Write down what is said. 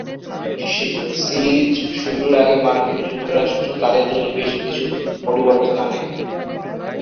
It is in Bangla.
সিরিজ শুরুর আগে মার্কিন যুক্তরাষ্ট্র তাদের দলে বেশ কিছু পরিবর্তন আনে।